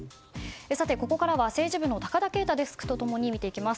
ここからは政治部の高田圭太デスクと見ていきます。